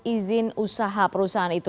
izin usaha perusahaan itu